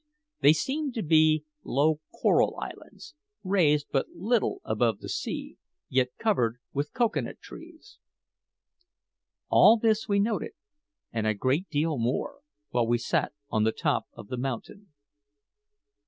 They seemed to be low coral islands, raised but little above the sea, yet covered with cocoa nut trees. All this we noted, and a great deal more, while we sat on the top of the mountain.